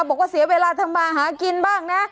บอกว่าเสียเวลาทำมาหากินบ้างนะ